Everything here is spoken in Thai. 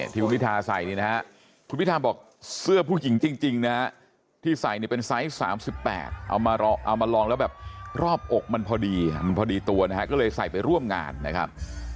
ที่คุณพิทาใส่นี่นะฮะคุณพิทาบอกเสื้อผู้หญิงจริงนะฮะที่ใส่เนี่ยเป็นไซส์๓๘เอามาลองแล้วแบบรอบอกมันพอดีมันพอดีตัวนะฮะก็เลยใส่ไปร่วมงานนะครับ